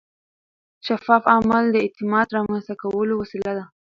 شفاف عمل د اعتماد رامنځته کولو وسیله ده.